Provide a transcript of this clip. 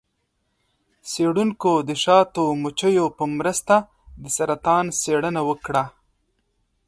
څیړونکو د شاتو مچیو په مرسته د سرطان څیړنه وکړه.